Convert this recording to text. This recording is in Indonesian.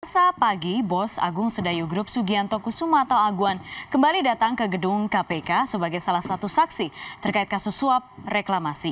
selasa pagi bos agung sedayu grup sugianto kusuma atau aguan kembali datang ke gedung kpk sebagai salah satu saksi terkait kasus suap reklamasi